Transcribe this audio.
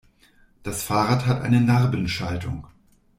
Das Fahrrad hat eine Narbenschaltung.